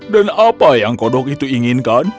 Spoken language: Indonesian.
dan apa yang kodok itu inginkan